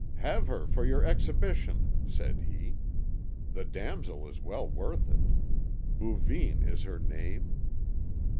"Have her for your exhibition," said he. "The damsel is well worth it. Bouvines is her name."